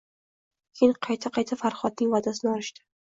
Keyin qayta-qayta Farhodning va`dasini olishdi